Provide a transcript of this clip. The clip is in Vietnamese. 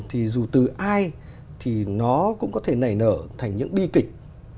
thì dù từ ai thì nó cũng có thể nảy nở thành những bi kịch